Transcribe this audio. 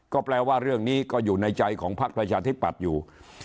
ก็แปลว่าเรื่องนี้ก็อยู่ในใจของพักประชาธิปัตย์อยู่